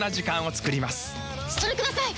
それください！